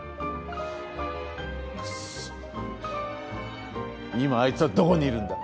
くそ今あいつはどこにいるんだ？